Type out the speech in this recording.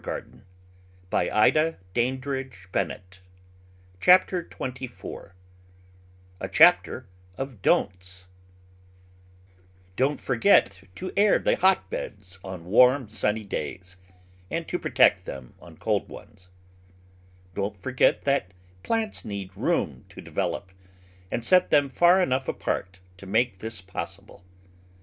Digitized by Google Chapter TtFENTT FOUR a Cjwpter of Son'tg DON'T forget to air the hotbeds on warm, sunny days, and to protect them on 1 cold ones. Don't forget that plants need room to develop, and set them far enough apart to make this possible.